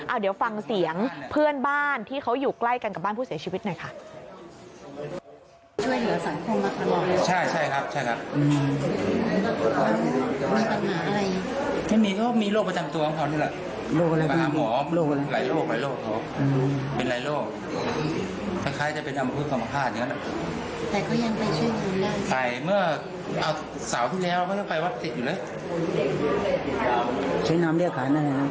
เดี๋ยวฟังเสียงเพื่อนบ้านที่เขาอยู่ใกล้กันกับบ้านผู้เสียชีวิตหน่อยค่ะ